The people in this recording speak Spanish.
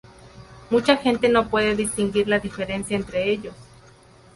Mucha gente no puede distinguir la diferencia entre ellos.